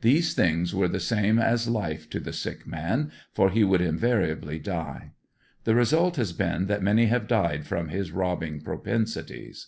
These things were the same as life to the sick man, for he would invariably die. The result has been that many have died from his robbing propen sities.